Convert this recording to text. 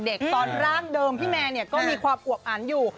ตอนร่างเดิมพี่แมนก็มีความอวบอันอยู่